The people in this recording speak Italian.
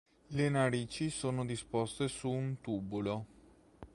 Le narici sono disposte su un tubulo.